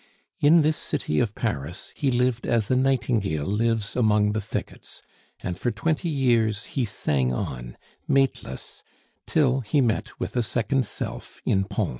In this city of Paris he lived as a nightingale lives among the thickets; and for twenty years he sang on, mateless, till he met with a second self in Pons.